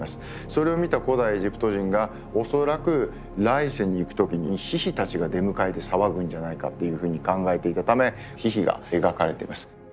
それを見た古代エジプト人が恐らく来世に行く時にヒヒたちが出迎えて騒ぐんじゃないかというふうに考えていたためヒヒが描かれています。